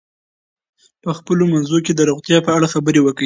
په خپلو منځونو کې د روغتیا په اړه خبرې وکړئ.